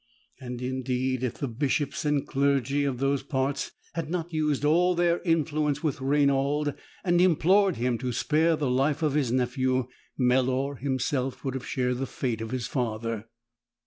And indeed if the Bishops and clergy of those parts had not used all their influence with Rainald and implored him to spare the life of his nephew, Melor him self would have shared the fate of his father.